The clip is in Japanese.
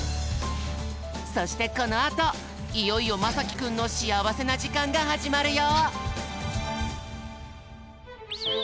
そしてこのあといよいよまさきくんのしあわせなじかんがはじまるよ！